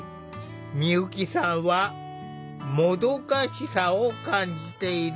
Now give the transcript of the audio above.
美由紀さんはもどかしさを感じている。